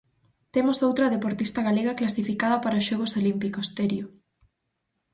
Temos outra deportista galega clasificada para os xogos olímpicos, Terio.